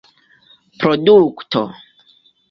produkto